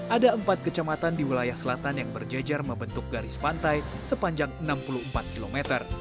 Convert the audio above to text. ada empat kecamatan di wilayah selatan yang berjejer membentuk garis pantai sepanjang enam puluh empat km